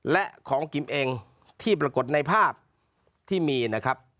และของกิมเองที่ปรากฏในภาพที่มีนะครับ